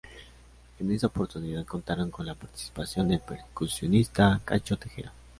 En esa oportunidad contaron con la participación del percusionista Cacho Tejera.